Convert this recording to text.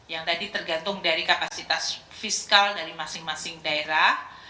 yang tadi tergantung dari kapasitas fiskal dari masing masing daerah